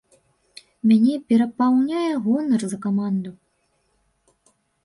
Мяне перапаўняе гонар за каманду.